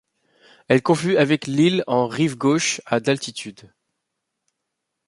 Elle conflue avec l'Isle en rive gauche, à d'altitude.